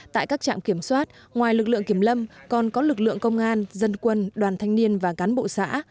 tại các trạm kiểm soát ngoài lực lượng kiểm lâm còn có lực lượng công an dân quân đoàn thanh niên và cán bộ xã